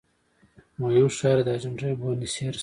مهم ښار یې د ارجنټاین بونس ایرس دی.